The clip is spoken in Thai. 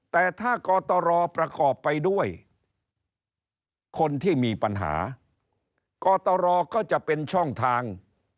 แต่ถ้ากตรประกอบไปด้วยคนที่มีปัญหากตรก็จะเป็นช่องทาง